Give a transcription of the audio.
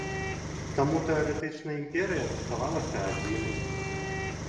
Таму тэарэтычна імперыя заставалася адзінай.